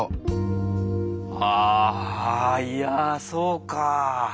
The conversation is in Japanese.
あいやそうかあ。